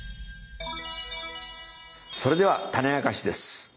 それではタネあかしです。